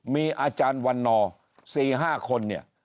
มีอาจารย์วันนอร์๔๕คนเนี่ย